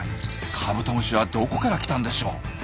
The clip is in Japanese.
カブトムシはどこから来たんでしょう？